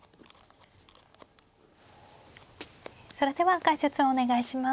それでは解説をお願いします。